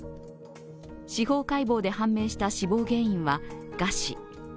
司法解剖で判明した死亡原因は餓死。